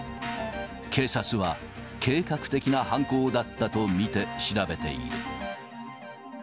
警察は、計画的な犯行だったと見て調べている。